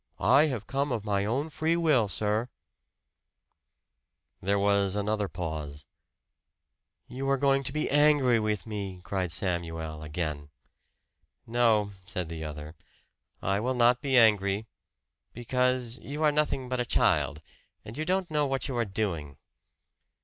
I have come of my own free will, sir." There was another pause. "You are going to be angry with me!" cried Samuel, again. "No," said the other, "I will not be angry because you are nothing but a child, and you don't know what you are doing."